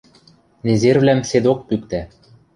Незервлӓм седок пӱктӓ.